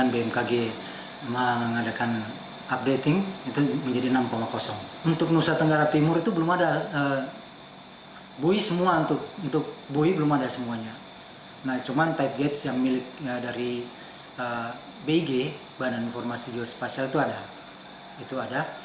bg bahan informasi geospasial itu ada